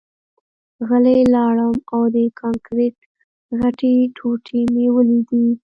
غلی لاړم او د کانکریټ غټې ټوټې مې ولیدې